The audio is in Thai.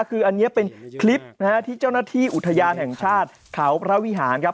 คืออันนี้เป็นคลิปนะฮะที่เจ้าหน้าที่อุทยานแห่งชาติเขาพระวิหารครับ